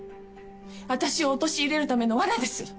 私を陥れるための罠です。